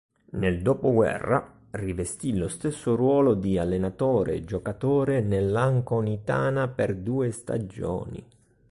Nel dopoguerra, rivestì lo stesso ruolo di allenatore-giocatore nell'Anconitana per due stagioni.